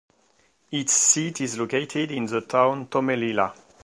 Its seat is located in the town Tomelilla.